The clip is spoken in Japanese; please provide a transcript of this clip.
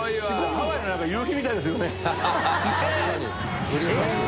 ハワイの夕日みたいですよね。